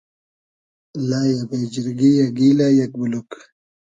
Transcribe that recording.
لئیۂ ، بې جیرگی یۂ ، گیلۂ یئگ بولوگ